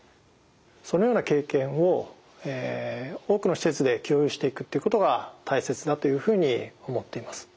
そのような経験を多くの施設で共有していくっていうことが大切だというふうに思っています。